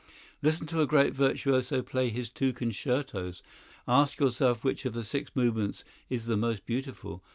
Listen to a great virtuoso play his two concertos. Ask yourself which of the six movements is the most beautiful.